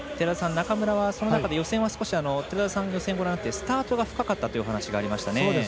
中村はその中で予選は寺田さん、予選ご覧になってスタートが深かったってお話、ありましたね。